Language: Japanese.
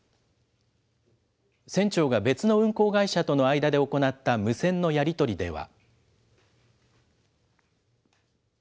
船長が別の運航会社との間で行った無線のやり取りでは。